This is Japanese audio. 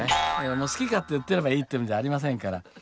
もう好き勝手言ってればいいっていうのじゃありませんから。